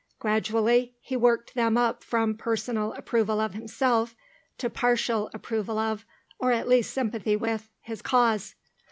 Gradually he worked them up from personal approval of himself to partial approval of, or at least sympathy with, his cause.